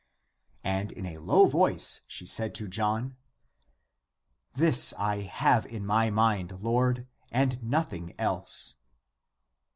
And in a low voice she said to John, " This I have in my mind, Lord, and nothing else."